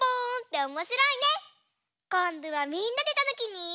こんどはみんなでたぬきに。